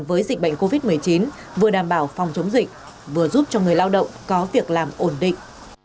với dịch bệnh covid một mươi chín vừa đảm bảo phòng chống dịch vừa giúp cho người lao động có việc làm ổn định